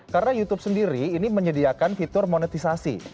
karena youtube sendiri ini menyediakan fitur monetisasi